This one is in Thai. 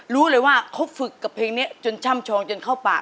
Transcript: รู้เลยว่าเขาฝึกกับเพลงนี้จนช่ำชองจนเข้าปาก